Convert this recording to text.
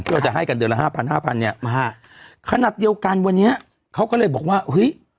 เราจะให้กันเดือนละห้าพันห้าพันเนี้ยขนาดเดียวกันวันนี้เขาก็เลยบอกว่าเฮ้ย